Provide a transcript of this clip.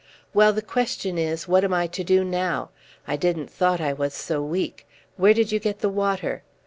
"Well, the question is, What am I to do now? I didn't thought I was so weak. Where did you get the water?"